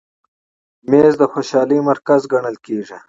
مېز د خوشحالۍ مرکز ګڼل کېږي.